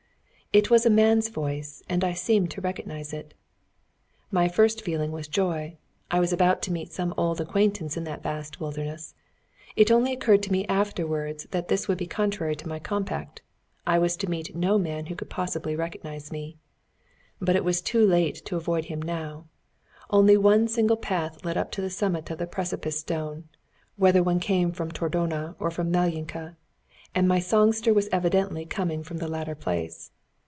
It was a man's voice, and I seemed to recognise it. My first feeling was joy. I was about to meet some old acquaintance in that vast wilderness. It only occurred to me afterwards that this would be contrary to my compact. I was to meet no man who could possibly recognise me. But it was too late to avoid him now. Only one single path led up to the summit of the Precipice Stone, whether one came from Tordona or from Malyinka, and my songster was evidently coming from the latter place.